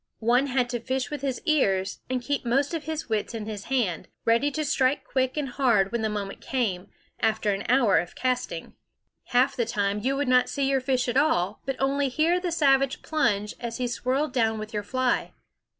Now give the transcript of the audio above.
One had to fish with his ears, and keep most of his brains in his hand, ready to strike quick and hard when the moment came, after an hour of cast ing. Half the time you would not see your fish at all, but only hear the savage plunge as he swirled down with your fly.